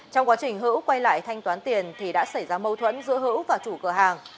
trong quá trình hữu quay lại thanh toán tiền thì đã xảy ra mâu thuẫn giữa hữu và chủ cửa hàng